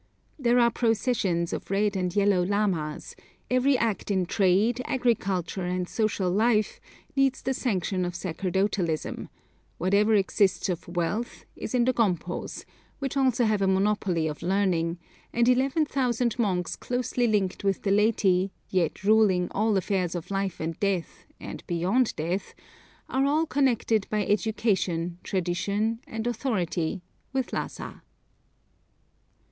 There are processions of red and yellow lamas; every act in trade, agriculture, and social life needs the sanction of sacerdotalism; whatever exists of wealth is in the gonpos, which also have a monopoly of learning, and 11,000 monks closely linked with the laity, yet ruling all affairs of life and death and beyond death, are all connected by education, tradition, and authority with Lhassa.